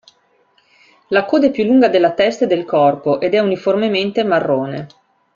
La coda è più lunga della testa e del corpo ed è uniformemente marrone.